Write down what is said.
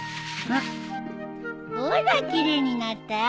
ほら奇麗になったよ。